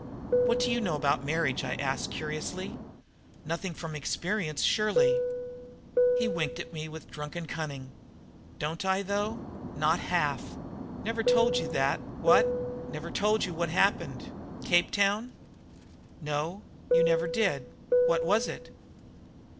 "What do you know about marriage?" I asked curiously. "Nothing from experience, surely." He winked at me with drunken cunning. "Don't I, though! Not half! Never told you that, what? Never told you what happened Cape Town?" "No, you never did. What was it?"